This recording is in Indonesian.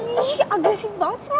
iya agresif banget sih lo